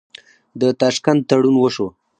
د تاشکند تړون وشو.